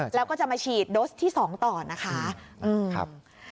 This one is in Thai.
แล้วก็จะมาฉีดโดสที่๒ต่อนะคะ